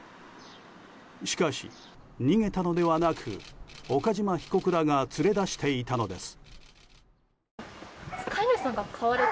しかし、逃げたのではなく岡島被告らが連れ出していたのです。